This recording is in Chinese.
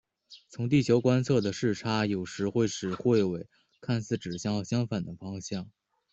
从地球观测的视差有时会使彗尾看似指向相反的方向。